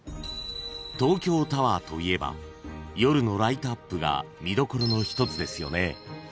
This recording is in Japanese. ［東京タワーといえば夜のライトアップが見どころの一つですよね］